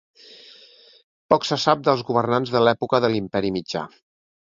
Poc se sap dels governants de l'època de l'Imperi Mitjà.